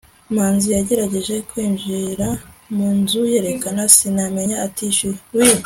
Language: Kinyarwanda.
manzi yagerageje kwinjira mu nzu yerekana sinema atishyuye